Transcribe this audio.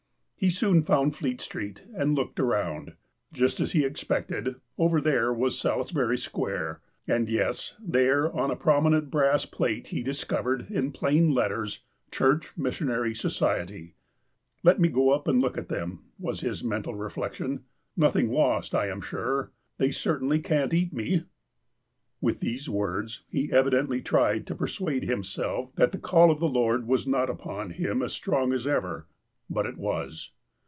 He soon found Fleet Street, and looked around. Just as he expected, over there was Salisbury Square. And, yes, there on a prominent brass plate he discovered, in plain letters :'' Church Missionary Society." " Let me go up and look at them," was his mental re flection. "Nothing lost, I am sure. They certainly can't eat me." With these words, he evidently tried to persuade him self that the call of the Lord was not upon him as strong as ever. But it was.